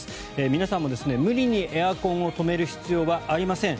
皆さんも無理にエアコンを止める必要はありません。